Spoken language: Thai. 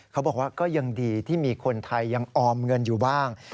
เขาบอกว่าก็ยังดีที่มีคนไทยยังออมเงินอยู่บ้าง